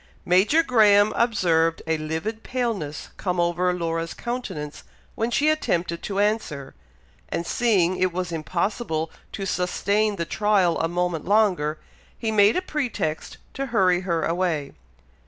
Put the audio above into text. Major Graham observed a livid paleness come over Laura's countenance when she attempted to answer, and seeing it was impossible to sustain the trial a moment longer, he made a pretext to hurry her away.